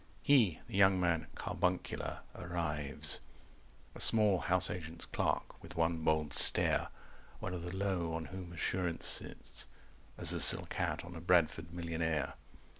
230 He, the young man carbuncular, arrives, A small house agent's clerk, with one bold stare, One of the low on whom assurance sits As a silk hat on a Bradford millionaire.